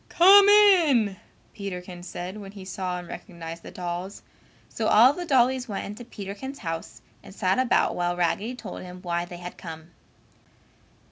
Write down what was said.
"Come in," Peterkins said when he saw and recognized the dolls, so all the dollies went into Peterkins' house and sat about while Raggedy told him why they had come.